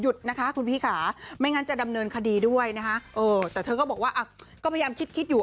หยุดนะคะคุณพี่ขาไม่งั้นจะดำเนินคดีด้วยนะคะแต่เธอก็บอกว่าก็พยายามคิดอยู่